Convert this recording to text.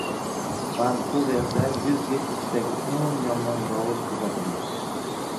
Vankuverda “yuz yil ichidagi eng yomon dovul” kuzatildi